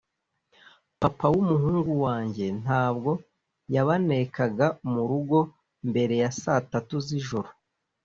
papa w’umuhungu wanjye ntabwo yabanekaga mu rugo mbere ya saa tatu z’ijoro,